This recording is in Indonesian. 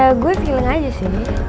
ya gue feeling aja sih